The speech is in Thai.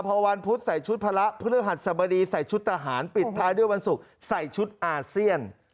พอวันพุธใส่ชุดพระพฤหัสสบดีใส่ชุดทหารปิดท้ายด้วยวันศุกร์ใส่ชุดอาเซียน